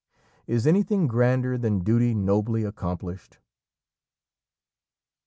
Is anything grander than duty nobly accomplished?